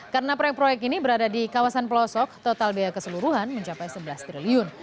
karena proyek proyek ini berada di kawasan pelosok total biaya keseluruhan mencapai rp sebelas triliun